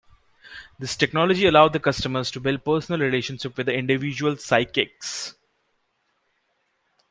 This technology allowed the customers to build personal relationships with individual "psychics".